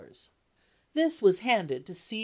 This was handed to C.